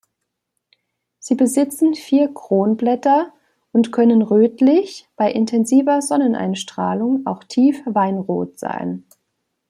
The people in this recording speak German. Sie besitzen vier Kronblätter und können rötlich, bei intensiver Sonneneinstrahlung auch tief weinrot sein.